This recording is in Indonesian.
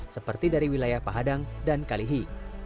seperti dari wilayah pahadang dan kalihi